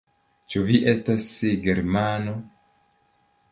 Ĉu vi estas germano?